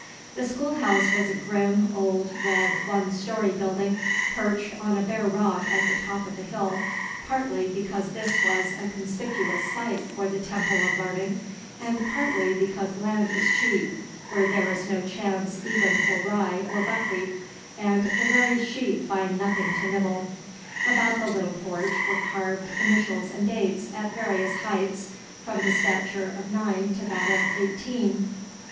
The schoolhouse was a grim, old, red, one story building, perched on a bare rock at the top of a hill, partly because this was a conspicuous site for the temple of learning, and partly because land is cheap where there is no chance even for rye or buckwheat, and the very sheep find nothing to nibble. About the little porch were carved initials and dates, at various heights, from the stature of nine to that of eighteen.